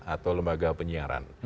atau lembaga penyiaran